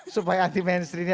supaya anti mainstream